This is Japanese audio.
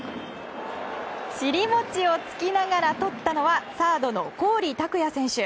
尻餅をつきながら、とったのはサードの郡拓也選手。